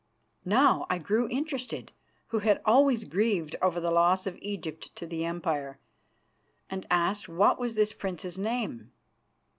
Now I grew interested, who had always grieved over the loss of Egypt to the Empire, and asked what was this prince's name.